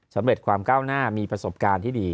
สำเร็จความก้าวหน้ามีประสบการณ์ที่ดี